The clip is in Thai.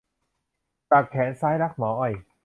สักแขนซ้าย 'รักหมออ้อย'